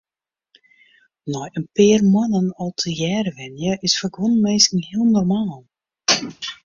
Nei in pear moannen al tegearre wenje is foar guon minsken heel normaal.